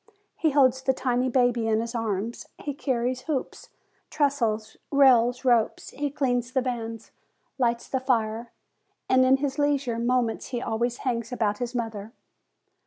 He holds the tiny baby in his arms; he carries hoops, trestles, rails, ropes; he cleans the vans, lights the fire, and in his leisure moments he always hangs about his mother.